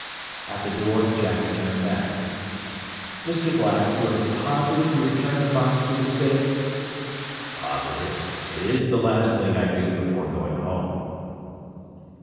At the door Jack turned back. "Mr. Black, you are positive you returned the box to the safe?" "Positive. It is the last thing I do before going home."